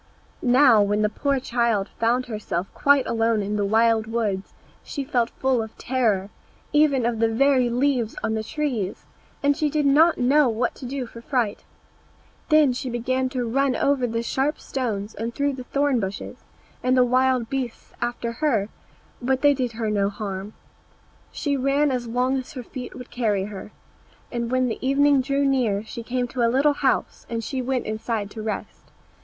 Now, when the poor child found herself quite alone in the wild woods, she felt full of terror, even of the very leaves on the trees, and she did not know what to do for fright. Then she began to run over the sharp stones and through the thorn bushes, and the wild beasts after her, but they did her no harm. She ran as long as her feet would carry her; and when the evening drew near she came to a little house, and she went inside to rest.